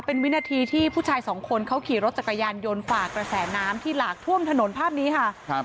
เป็นวินาทีที่ผู้ชายสองคนเขาขี่รถจักรยานยนต์ฝากกระแสน้ำที่หลากท่วมถนนภาพนี้ค่ะครับ